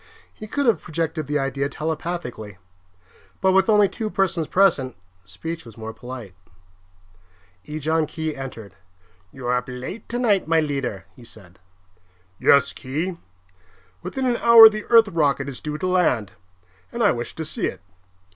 He could have projected the idea telepathically; but with only two persons present, speech was more polite. Ejon Khee entered. "You are up late tonight, my leader," he said. "Yes, Khee. Within an hour the Earth rocket is due to land, and I wish to see it.